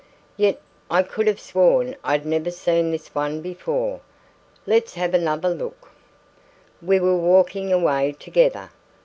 Yet, I could have sworn I'd never seen this one before. Let's have another look." We were walking away together.